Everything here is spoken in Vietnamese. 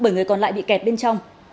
bảy người còn lại bị kẹt bên trong